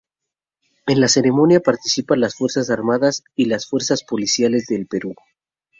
En la ceremonia participan las Fuerzas Armadas y las Fuerzas Policiales del Perú.